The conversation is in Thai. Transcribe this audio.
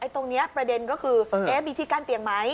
ตรงนี้ประเด็นก็คือมีที่กั้นเตียงไหม